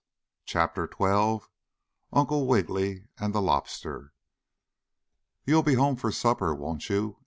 CHAPTER XII UNCLE WIGGILY AND THE LOBSTER "You'll be home to supper, won't you?"